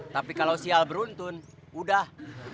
tapi kalau sial beruntun udah